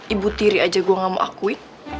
ibu tiri aja gue gak mau akui